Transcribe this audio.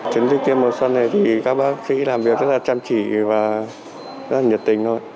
chiến dịch tiêm mùa xuân này thì các bác sĩ làm việc rất là chăm chỉ và rất là nhiệt tình thôi